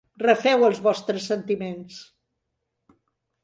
Refeu els vostres sentiments.